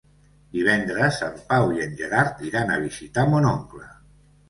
Divendres en Pau i en Gerard iran a visitar mon oncle.